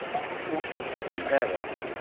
Ur tt-yessin ara